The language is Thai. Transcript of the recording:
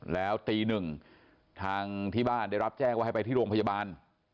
แล้วตีหนึ่งทางที่บ้านได้รับแจ้งว่าให้ไปที่โรงพยาบาล